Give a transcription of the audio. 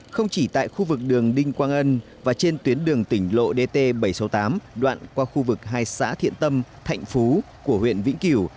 không chỉ tại khu vực đường đinh quang ân và trên tuyến đường tỉnh lộ dt bảy trăm sáu mươi tám đoạn qua khu vực hai xã thiện tâm thạnh phú của huyện vĩnh kiều